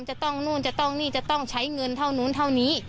จะต้องนู่นจะต้องนี่จะต้องใช้เงินเท่านู้นเท่านี้